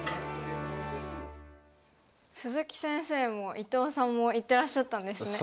鈴木先生も伊藤さんも行ってらっしゃったんですね。